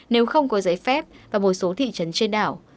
nếu không có giấy phép và một số thị trấn trên đảo